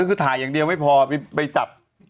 คือถ่ายอย่างเดียวไม่พอไปจับ